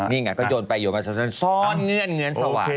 นี่ไงก็โยนไปโยนมาซ้อนเงินเงินสวัสดิ์